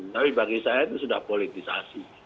tapi bagi saya itu sudah politisasi